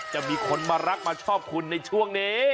จะมีคนมารักมาชอบคุณในช่วงนี้